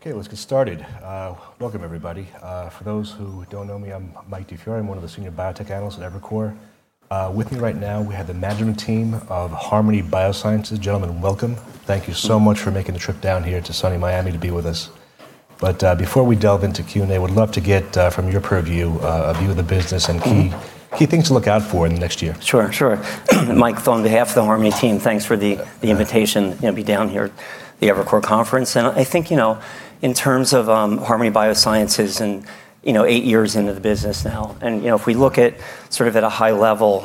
Okay, let's get started. Welcome, everybody. For those who don't know me, I'm Mike DiFiore. I'm one of the senior biotech analysts at Evercore. With me right now, we have the management team of Harmony Biosciences. Gentlemen, welcome. Thank you so much for making the trip down here to sunny Miami to be with us. But before we delve into Q&A, we'd love to get from your purview a view of the business and key things to look out for in the next year. Sure, sure. Mike, on behalf of the Harmony team, thanks for the invitation to be down here at the Evercore Conference, and I think, you know, in terms of Harmony Biosciences, and you know, eight years into the business now, and you know, if we look at sort of at a high level,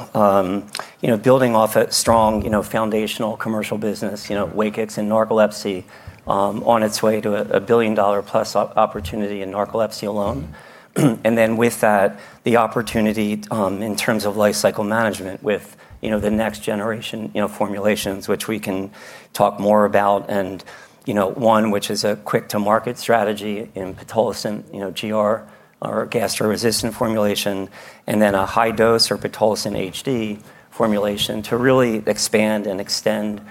you know, building off a strong, you know, foundational commercial business, you know, Wakix and narcolepsy on its way to a $1+ billion opportunity in narcolepsy alone. And then with that, the opportunity in terms of life cycle management with, you know, the next generation, you know, formulations, which we can talk more about. And, you know, one which is a quick-to-market strategy in pitolisant, you know, GR, our gastro-resistant formulation, and then a high dose or pitolisant HD formulation to really expand and extend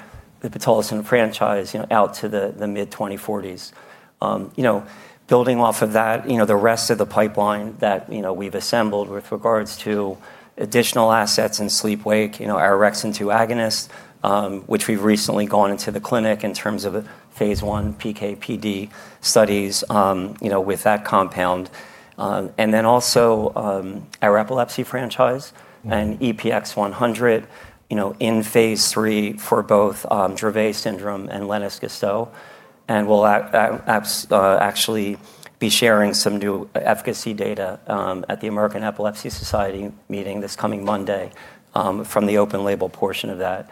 the pitolisant franchise, you know, out to the mid-2040s. You know, building off of that, you know, the rest of the pipeline that, you know, we've assembled with regards to additional assets and sleep-wake, you know, orexin-2 agonists, which we've recently gone into the clinic in terms of phase I PK/PD studies, you know, with that compound. And then also our epilepsy franchise and EPX-100, you know, in phase III for both Dravet syndrome and Lennox-Gastaut. And we'll actually be sharing some new efficacy data at the American Epilepsy Society meeting this coming Monday from the open-label portion of that.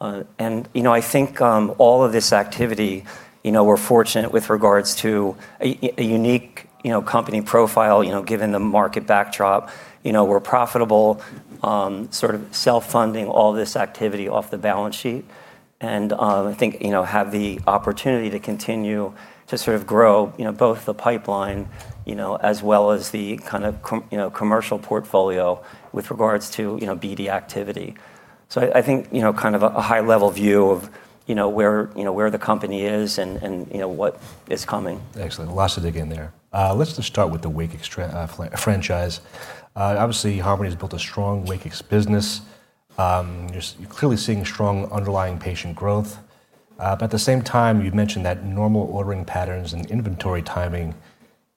And, you know, I think all of this activity, you know, we're fortunate with regards to a unique, you know, company profile, you know, given the market backdrop, you know, we're profitable, sort of self-funding all this activity off the balance sheet. I think, you know, have the opportunity to continue to sort of grow, you know, both the pipeline, you know, as well as the kind of, you know, commercial portfolio with regards to, you know, BD activity. I think, you know, kind of a high level view of, you know, where the company is and, you know, what is coming. Excellent. Lots to dig in there. Let's just start with the Wakix franchise. Obviously, Harmony has built a strong Wakix business. You're clearly seeing strong underlying patient growth. But at the same time, you mentioned that normal ordering patterns and inventory timing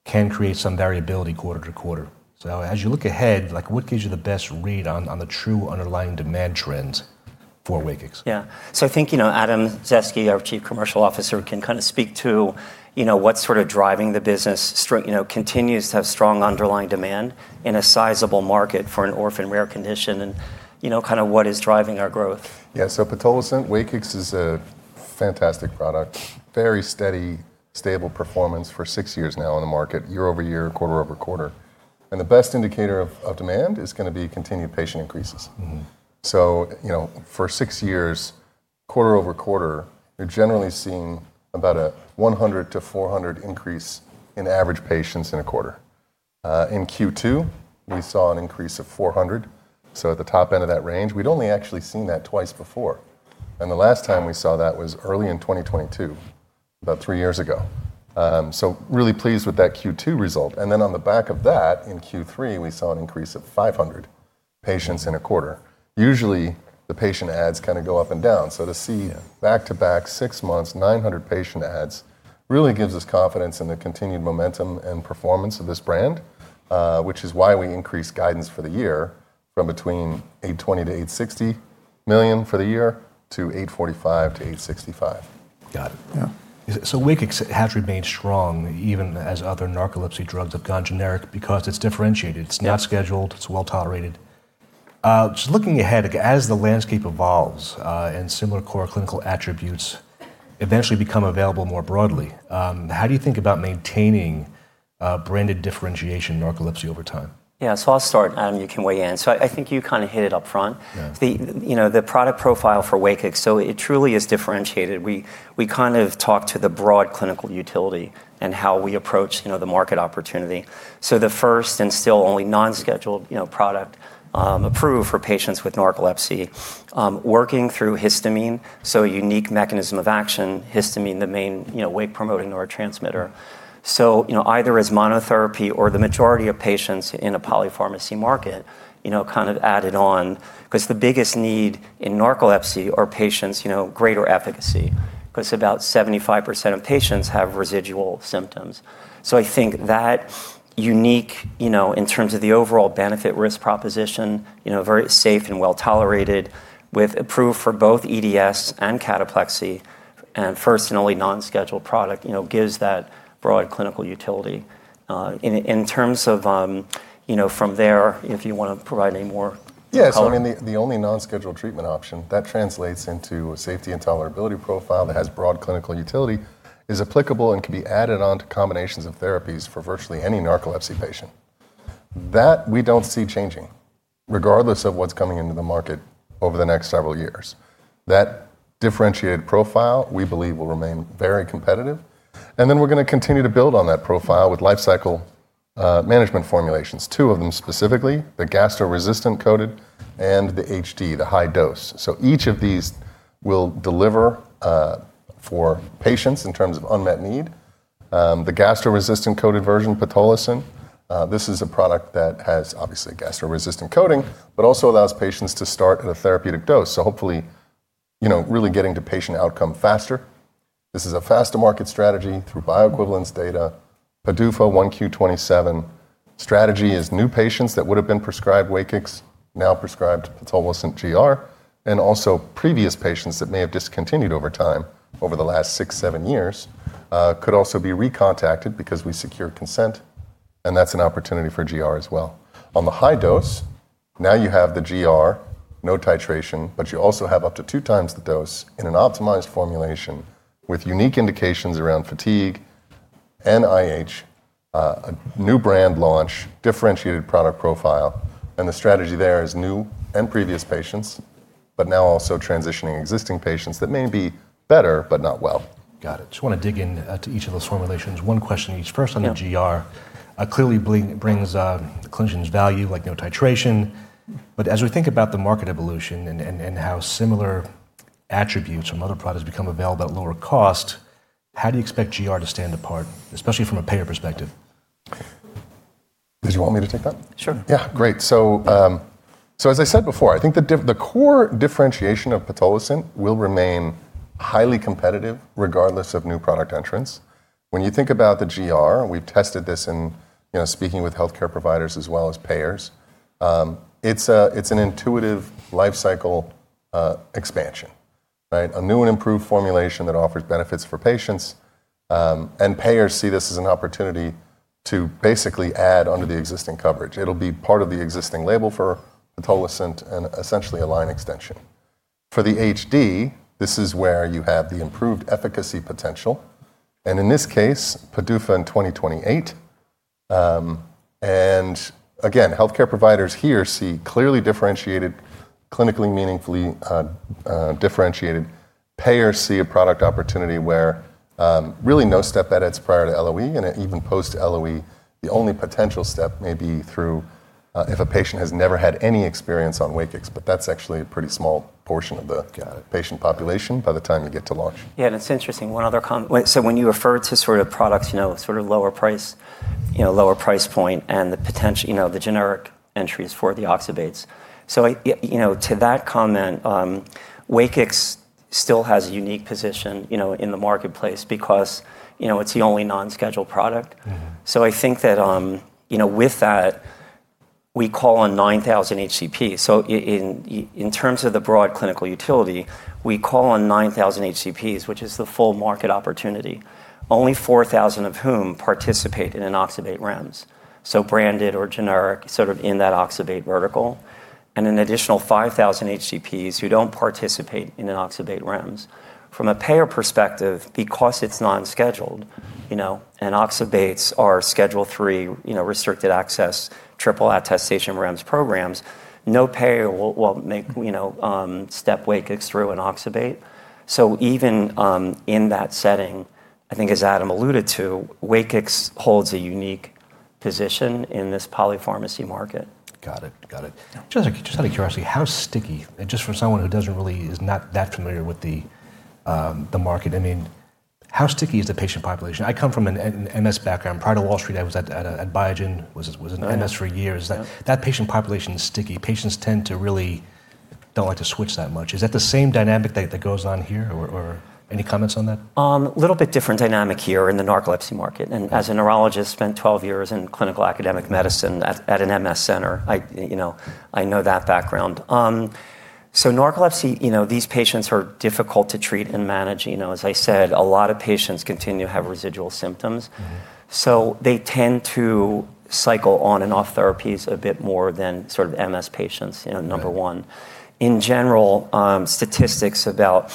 can create some variability quarter to quarter. So as you look ahead, like, what gives you the best read on the true underlying demand trends for Wakix? Yeah, so I think, you know, Adam Zaeske, our Chief Commercial Officer, can kind of speak to, you know, what's sort of driving the business, you know, continues to have strong underlying demand in a sizable market for an orphan rare condition, and, you know, kind of what is driving our growth. Yeah. So pitolisant Wakix is a fantastic product, very steady, stable performance for six years now in the market, year over year, quarter over quarter. And the best indicator of demand is going to be continued patient increases. So, you know, for six years, quarter over quarter, you're generally seeing about a 100-400 increase in average patients in a quarter. In Q2, we saw an increase of 400. So at the top end of that range, we'd only actually seen that twice before. And the last time we saw that was early in 2022, about three years ago. So really pleased with that Q2 result. And then on the back of that, in Q3, we saw an increase of 500 patients in a quarter. Usually, the patient adds kind of go up and down. So to see back to back six months, 900 patient adds really gives us confidence in the continued momentum and performance of this brand, which is why we increased guidance for the year from between $820 million-$860 million for the year to $845 million-$865 million. Got it. Yeah. So Wakix has remained strong even as other narcolepsy drugs have gone generic because it's differentiated. It's not scheduled. It's well tolerated. Just looking ahead, as the landscape evolves and similar core clinical attributes eventually become available more broadly, how do you think about maintaining branded differentiation narcolepsy over time? Yeah. So I'll start, and you can weigh in. So I think you kind of hit it up front. You know, the product profile for Wakix, so it truly is differentiated. We kind of talk to the broad clinical utility and how we approach, you know, the market opportunity. So the first and still only non-scheduled, you know, product approved for patients with narcolepsy, working through histamine, so a unique mechanism of action, histamine, the main, you know, wake-promoting neurotransmitter. So, you know, either as monotherapy or the majority of patients in a polypharmacy market, you know, kind of added on, because the biggest need in narcolepsy are patients, you know, greater efficacy, because about 75% of patients have residual symptoms. So, I think that unique, you know, in terms of the overall benefit-risk proposition, you know, very safe and well tolerated with approved for both EDS and cataplexy, and first and only non-scheduled product, you know, gives that broad clinical utility. In terms of, you know, from there, if you want to provide any more. Yeah. So I mean, the only non-scheduled treatment option that translates into a safety and tolerability profile that has broad clinical utility is applicable and can be added on to combinations of therapies for virtually any narcolepsy patient. That we don't see changing, regardless of what's coming into the market over the next several years. That differentiated profile, we believe, will remain very competitive. And then we're going to continue to build on that profile with life cycle management formulations, two of them specifically, the gastro-resistant coated and the HD, the high dose. So each of these will deliver for patients in terms of unmet need. The gastro-resistant coated version, pitolisant, this is a product that has obviously a gastro-resistant coating, but also allows patients to start at a therapeutic dose. So hopefully, you know, really getting to patient outcome faster. This is a faster market strategy through bioequivalence data. PDUFA 1Q 2027 strategy is new patients that would have been prescribed Wakix, now prescribed pitolisant GR, and also previous patients that may have discontinued over time over the last six, seven years could also be recontacted because we secure consent. That’s an opportunity for GR as well. On the high dose, now you have the GR, no titration, but you also have up to two times the dose in an optimized formulation with unique indications around fatigue and IH, a new brand launch, differentiated product profile. The strategy there is new and previous patients, but now also transitioning existing patients that may be better, but not well. Got it. Just want to dig into each of those formulations. One question each. First on the GR, clearly brings clinicians value, like no titration. But as we think about the market evolution and how similar attributes from other products become available at lower cost, how do you expect GR to stand apart, especially from a payer perspective? Did you want me to take that? Sure. Yeah, great. So as I said before, I think the core differentiation of pitolisant will remain highly competitive regardless of new product entrance. When you think about the GR, we've tested this in, you know, speaking with healthcare providers as well as payers. It's an intuitive life cycle expansion, right? A new and improved formulation that offers benefits for patients. And payers see this as an opportunity to basically add onto the existing coverage. It'll be part of the existing label for pitolisant and essentially a line extension. For the HD, this is where you have the improved efficacy potential. And in this case, PDUFA in 2028. And again, healthcare providers here see clearly differentiated, clinically meaningfully differentiated. Payers see a product opportunity where really no step at its prior to LOE and even post LOE. The only potential step may be through if a patient has never had any experience on Wakix, but that's actually a pretty small portion of the patient population by the time you get to launch. Yeah. And it's interesting. One other comment. So when you refer to sort of products, you know, sort of lower price, you know, lower price point and the potential, you know, the generic entries for the oxybates. So, you know, to that comment, Wakix still has a unique position, you know, in the marketplace because, you know, it's the only non-scheduled product. So I think that, you know, with that, we call on 9,000 HCP. So in terms of the broad clinical utility, we call on 9,000 HCPs, which is the full market opportunity, only 4,000 of whom participate in an oxybate REMS. So branded or generic sort of in that oxybate vertical. And an additional 5,000 HCPs who don't participate in an oxybate REMS. From a payer perspective, because it's non-scheduled, you know, and oxybates are schedule three, you know, restricted access triple attestation REMS programs, no payer will make, you know, step Wakix through an oxybate. So even in that setting, I think as Adam alluded to, Wakix holds a unique position in this polypharmacy market. Got it. Got it. Just out of curiosity, how sticky, just for someone who doesn't really is not that familiar with the market, I mean, how sticky is the patient population? I come from an MS background. Prior to Wall Street, I was at Biogen, was an MS for years. That patient population is sticky. Patients tend to really don't like to switch that much. Is that the same dynamic that goes on here or any comments on that? A little bit different dynamic here in the narcolepsy market. And as a neurologist, spent 12 years in clinical academic medicine at an MS center. I, you know, I know that background. So narcolepsy, you know, these patients are difficult to treat and manage. You know, as I said, a lot of patients continue to have residual symptoms. So they tend to cycle on and off therapies a bit more than sort of MS patients, you know, number one. In general, statistics about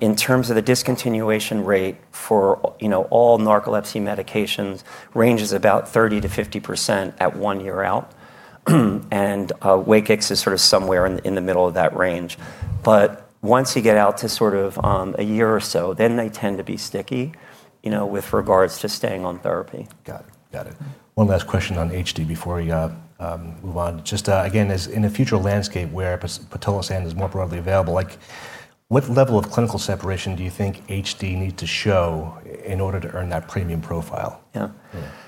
in terms of the discontinuation rate for, you know, all narcolepsy medications ranges about 30%-50% at one year out. And Wakix is sort of somewhere in the middle of that range. But once you get out to sort of a year or so, then they tend to be sticky, you know, with regards to staying on therapy. Got it. Got it. One last question on HD before we move on. Just again, in a future landscape where pitolisant is more broadly available, like what level of clinical separation do you think HD needs to show in order to earn that premium profile? Yeah.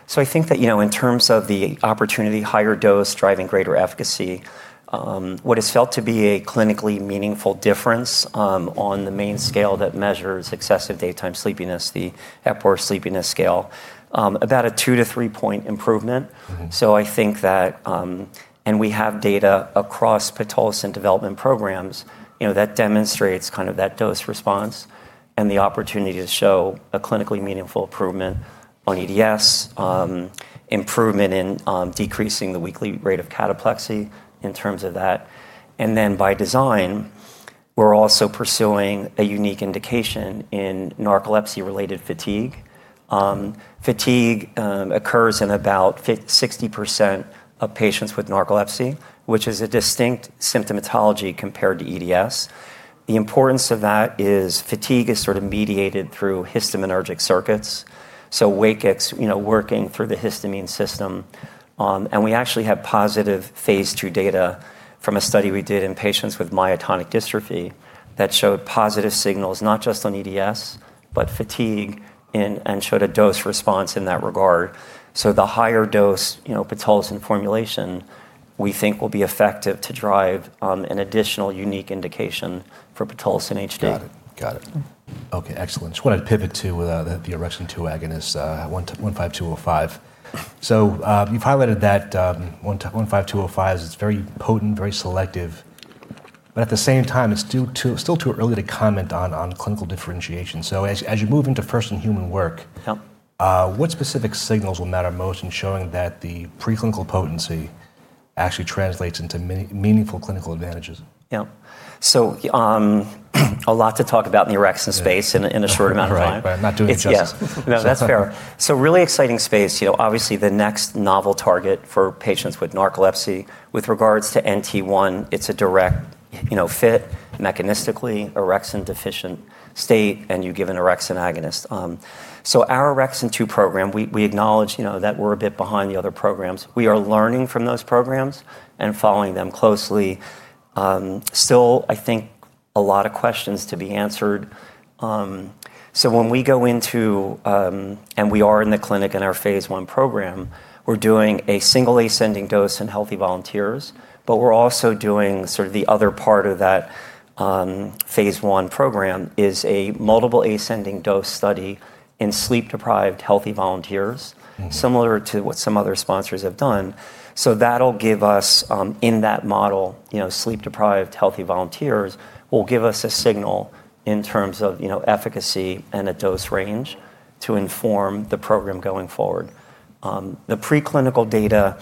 So I think that, you know, in terms of the opportunity, higher dose driving greater efficacy, what is felt to be a clinically meaningful difference on the main scale that measures excessive daytime sleepiness, the Epworth Sleepiness Scale, about a two-to-three-point improvement. So I think that, and we have data across pitolisant development programs, you know, that demonstrates kind of that dose response and the opportunity to show a clinically meaningful improvement on EDS, improvement in decreasing the weekly rate of cataplexy in terms of that. And then by design, we're also pursuing a unique indication in narcolepsy related fatigue. Fatigue occurs in about 60% of patients with narcolepsy, which is a distinct symptomatology compared to EDS. The importance of that is fatigue is sort of mediated through histaminergic circuits. So Wakix, you know, working through the histamine system. We actually have positive phase II data from a study we did in patients with myotonic dystrophy that showed positive signals not just on EDS, but fatigue and showed a dose response in that regard. The higher dose, you know, pitolisant formulation, we think will be effective to drive an additional unique indication for pitolisant in HD. Got it. Got it. Okay. Excellent. Just wanted to pivot to the orexin-2 agonists, 15205. So you've highlighted that 15205 is very potent, very selective. But at the same time, it's still too early to comment on clinical differentiation. So as you move into first-in-human work, what specific signals will matter most in showing that the preclinical potency actually translates into meaningful clinical advantages? Yeah. So a lot to talk about in the orexin space in a short amount of time. Right. Right. Not doing it justice. Yeah. No, that's fair. So really exciting space. You know, obviously the next novel target for patients with narcolepsy with regards to NT1, it's a direct, you know, fit mechanistically orexin deficient state and you give an orexin agonist. So our orexin-2 program, we acknowledge, you know, that we're a bit behind the other programs. We are learning from those programs and following them closely. Still, I think a lot of questions to be answered. So when we go into, and we are in the clinic in our phase I program, we're doing a single ascending dose in healthy volunteers. But we're also doing sort of the other part of that phase I program is a multiple ascending dose study in sleep deprived healthy volunteers, similar to what some other sponsors have done. So that'll give us in that model, you know, sleep deprived healthy volunteers will give us a signal in terms of, you know, efficacy and a dose range to inform the program going forward. The preclinical data,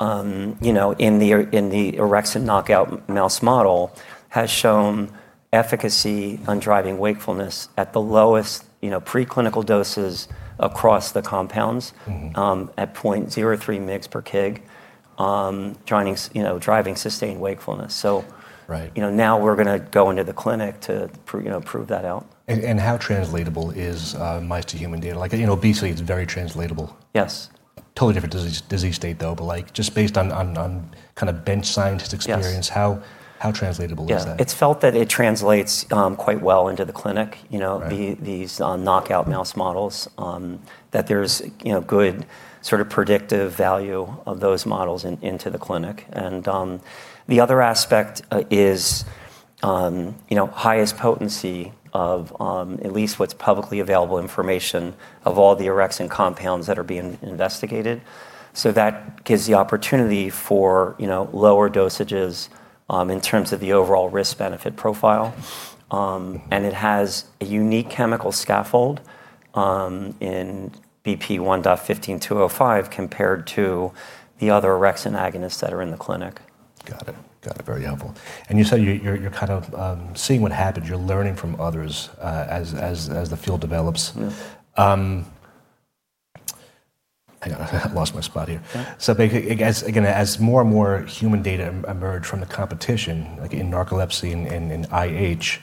you know, in the orexin knockout mouse model has shown efficacy on driving wakefulness at the lowest, you know, preclinical doses across the compounds at 0.03 mg per kg, driving, you know, driving sustained wakefulness. So, you know, now we're going to go into the clinic to, you know, prove that out. How translatable is mouse to human data? Like, you know, obesity is very translatable. Yes. Totally different disease state though, but like just based on kind of bench scientist experience, how translatable is that? Yeah. It's felt that it translates quite well into the clinic, you know, these knockout mouse models, that there's, you know, good sort of predictive value of those models into the clinic. And the other aspect is, you know, highest potency of at least what's publicly available information of all the orexin compounds that are being investigated. So that gives the opportunity for, you know, lower dosages in terms of the overall risk benefit profile. And it has a unique chemical scaffold in BP1.15205 compared to the other orexin agonists that are in the clinic. Got it. Got it. Very helpful. And you said you're kind of seeing what happens, you're learning from others as the field develops. Hang on, I lost my spot here. So again, as more and more human data emerge from the competition, like in narcolepsy and IH,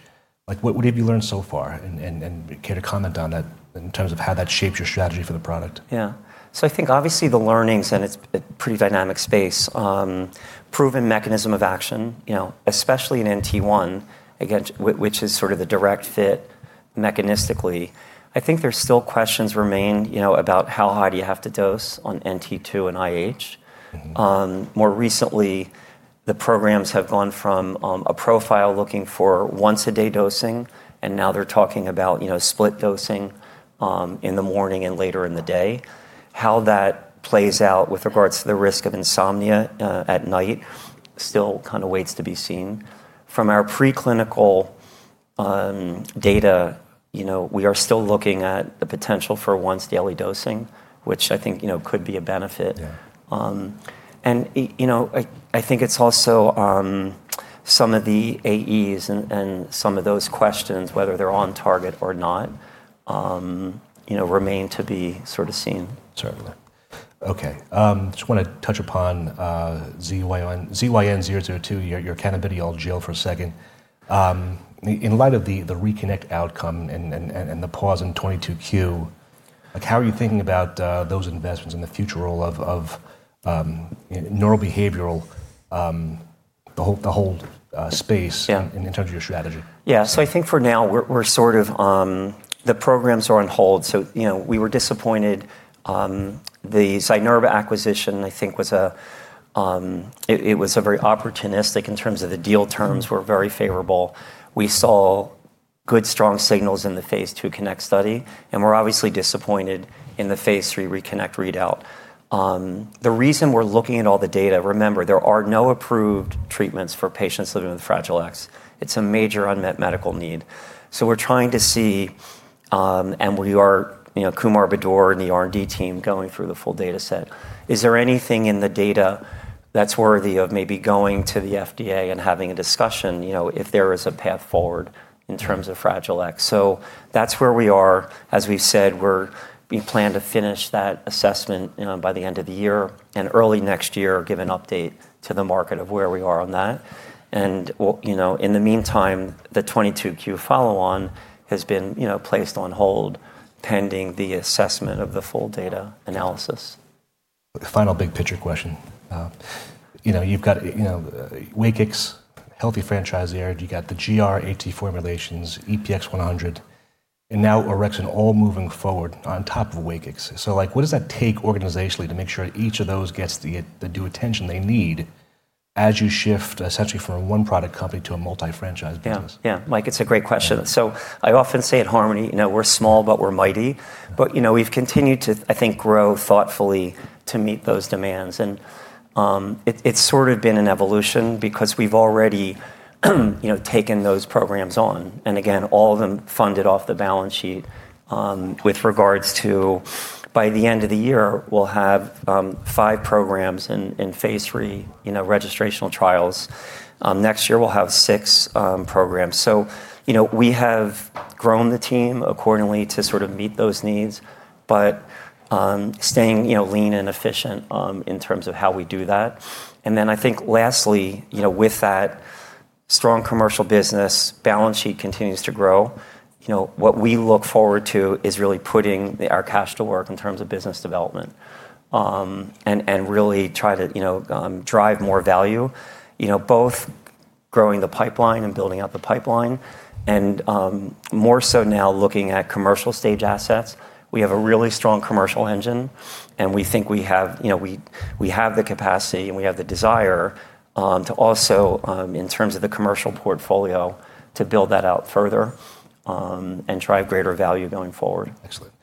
like what have you learned so far and care to comment on that in terms of how that shapes your strategy for the product? Yeah. So I think obviously the learnings and it's a pretty dynamic space, proven mechanism of action, you know, especially in NT1, again, which is sort of the direct fit mechanistically. I think there's still questions remain, you know, about how high do you have to dose on NT2 and IH. More recently, the programs have gone from a profile looking for once a day dosing, and now they're talking about, you know, split dosing in the morning and later in the day. How that plays out with regards to the risk of insomnia at night still kind of waits to be seen. From our preclinical data, you know, we are still looking at the potential for once daily dosing, which I think, you know, could be a benefit. And, you know, I think it's also some of the AEs and some of those questions, whether they're on target or not, you know, remain to be sort of seen. Certainly. Okay. Just want to touch upon ZYN002, your cannabidiol gel for a second. In light of the RECONNECT outcome and the pause in 22q, like how are you thinking about those investments and the future role of neurobehavioral, the whole space in terms of your strategy? Yeah. So I think for now we're sort of, the programs are on hold. So, you know, we were disappointed. The Zynerba acquisition, I think was a, it was a very opportunistic in terms of the deal terms were very favorable. We saw good strong signals in the phase II CONNECT study, and we're obviously disappointed in the phase III RECONNECT readout. The reason we're looking at all the data, remember there are no approved treatments for patients living with Fragile X. It's a major unmet medical need. So we're trying to see, and we are, you know, Kumar Budur and the R&D team going through the full data set. Is there anything in the data that's worthy of maybe going to the FDA and having a discussion, you know, if there is a path forward in terms of Fragile X? So that's where we are. As we've said, we plan to finish that assessment by the end of the year and early next year, give an update to the market of where we are on that, and, you know, in the meantime, the 22q follow-on has been, you know, placed on hold pending the assessment of the full data analysis. Final big picture question. You know, you've got, you know, Wakix, healthy franchise ahead, you got the GR, HD formulations, EPX-100, and now orexin all moving forward on top of Wakix. So like, what does that take organizationally to make sure each of those gets the due attention they need as you shift essentially from one product company to a multi-franchise business? Yeah. Yeah. Mike, it's a great question. So I often say at Harmony, you know, we're small, but we're mighty. But, you know, we've continued to, I think, grow thoughtfully to meet those demands. And it's sort of been an evolution because we've already, you know, taken those programs on. And again, all of them funded off the balance sheet with regards to by the end of the year, we'll have five programs in phase III, you know, registrational trials. Next year, we'll have six programs. So, you know, we have grown the team accordingly to sort of meet those needs, but staying, you know, lean and efficient in terms of how we do that. And then I think lastly, you know, with that strong commercial business, balance sheet continues to grow. You know, what we look forward to is really putting our cash to work in terms of business development and really try to, you know, drive more value, you know, both growing the pipeline and building out the pipeline. And more so now looking at commercial stage assets, we have a really strong commercial engine and we think we have, you know, we have the capacity and we have the desire to also, in terms of the commercial portfolio, to build that out further and drive greater value going forward. Excellent.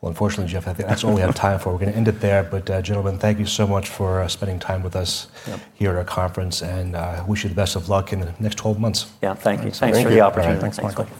Well, unfortunately, Jeff, that's all we have time for. We're going to end it there. But gentlemen, thank you so much for spending time with us here at our conference and I wish you the best of luck in the next 12 months. Yeah. Thank you. Thanks for the opportunity. Thanks, Mike.